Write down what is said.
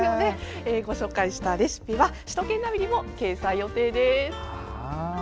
ご紹介したレシピは首都圏ナビにも掲載予定です。